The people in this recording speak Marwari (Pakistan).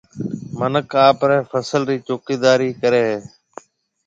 منک آپرَي فصل رِي چوڪيِدارِي ڪرَي ھيََََ